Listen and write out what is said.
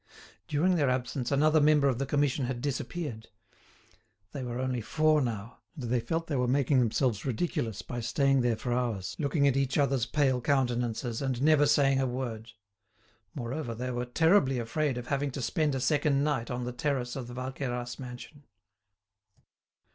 During their absence another member of the Commission had disappeared. They were only four now, and they felt they were making themselves ridiculous by staying there for hours, looking at each other's pale countenances, and never saying a word. Moreover, they were terribly afraid of having to spend a second night on the terrace of the Valqueyras mansion.